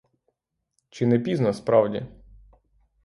Чи не пізно, справді?